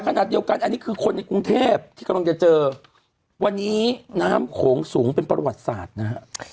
ขณะเดียวกันอันนี้คือคนในกรุงเทพที่กำลังจะเจอวันนี้น้ำโขงสูงเป็นประวัติศาสตร์นะฮะ